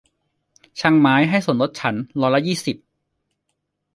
ช่างไม้ให้ส่วนลดฉันร้อยละยี่สิบ